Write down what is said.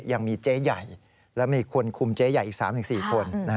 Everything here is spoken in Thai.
ยังมีเจ๊ใหญ่และมีคนคุมเจ๊ใหญ่อีก๓๔คน